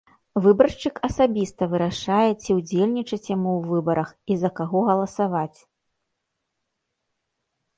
Выбаршчык асабіста вырашае, ці ўдзельнічаць яму ў выбарах і за каго галасаваць.